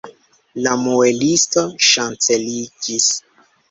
La muelisto ŝanceliĝis.